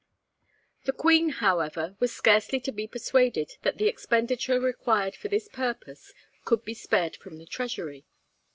The Queen, however, was scarcely to be persuaded that the expenditure required for this purpose could be spared from the Treasury.